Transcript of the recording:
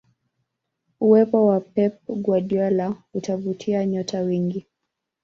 uwepo wa pep guardiola utavutia nyota wengi